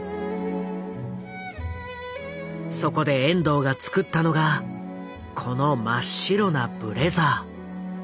そこで遠藤が作ったのがこの真っ白なブレザー。